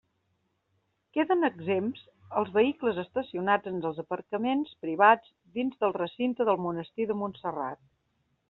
Queden exempts els vehicles estacionats en els aparcaments privats dins del recinte del monestir de Montserrat.